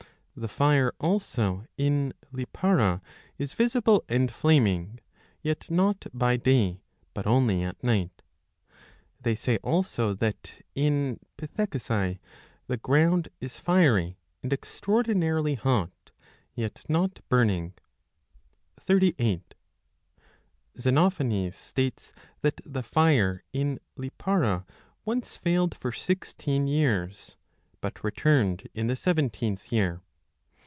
The fire also in Lipara is visible and flaming, yet not by day, but only at night. They say also that in Pithecusae the ground is fiery, and extraordi 15 narily hot, yet not burning. 38 Xenophanes states that the fire in Lipara once failed for sixteen years, but returned in the seventeenth year.